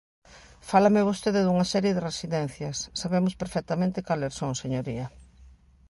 Fálame vostede dunha serie de residencias; sabemos perfectamente cales son, señoría.